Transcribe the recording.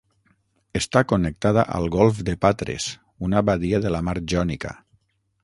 Està connectada al golf de Patres, una badia de la mar Jònica.